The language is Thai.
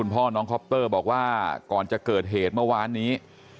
พ่อน้องคอปเตอร์บอกว่าก่อนจะเกิดเหตุเมื่อวานนี้